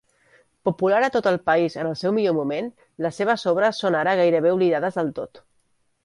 Popular a tot el país en el seu millor moment, les seves obres són ara gairebé oblidades del tot.